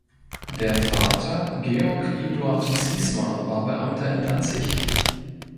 Der Vater Georg Eduard Ziesmer war Beamter in Danzig.